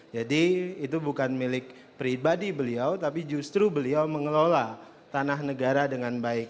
jadi itu bukan milik pribadi beliau tapi justru beliau mengelola tanah negara dengan baik